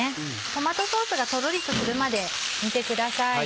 トマトソースがとろりとするまで煮てください。